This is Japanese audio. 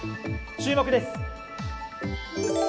注目です。